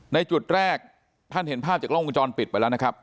ในจุดแรกท่านเห็นภาพจากล้องวงจรปิดไปแล้วนะครับ